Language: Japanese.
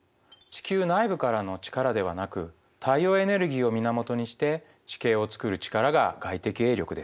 地球内部からの力ではなく太陽エネルギーを源にして地形をつくる力が外的営力です。